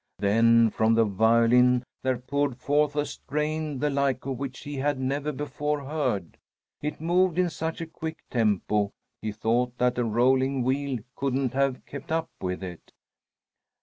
Then from the violin there poured forth a strain the like of which he had never before heard. It moved in such a quick tempo he thought that a rolling wheel couldn't have kept up with it.